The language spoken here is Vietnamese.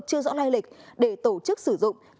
chưa rõ lai lịch để tổ chức sử dụng